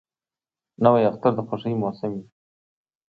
نوی اختر د خوښۍ موسم وي